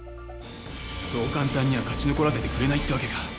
そう簡単には勝ち残らせてくれないってわけか。